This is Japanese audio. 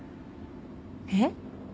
えっ？